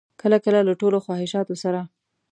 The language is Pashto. کله کله له ټولو خواهشاتو سره.